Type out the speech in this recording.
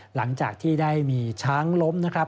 หลังจากที่ได้มีช้างล้มนะครับ